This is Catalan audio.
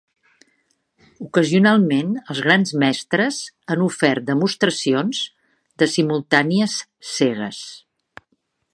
Ocasionalment els grans mestres han ofert demostracions de simultànies cegues.